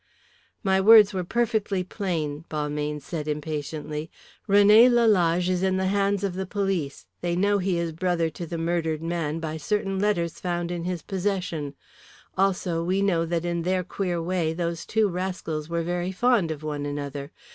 "My words were perfectly plain," Balmayne said, impatiently. "René Lalage is in the hands of the police; they know he is brother to the murdered man by certain letters found in his possession. Also we know that in their queer way those two rascals were very fond of one another.